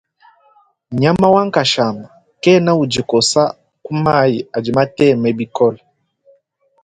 Nyama wa nkashama kena udi kosa ku mayi adi mateme bikole.